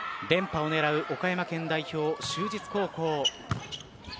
連覇を狙う岡山県代表就実高校。